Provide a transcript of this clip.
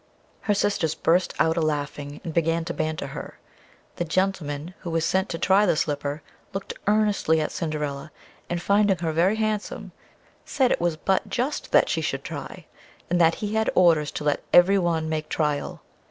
Her sisters burst out a laughing, and began to banter her. The gentleman who was sent to try the slipper, looked earnestly at Cinderilla, and finding her very handsome, said it was but just that she should try, and that he had orders to let every one make tryal.